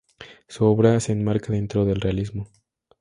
Su obra se enmarca dentro del realismo.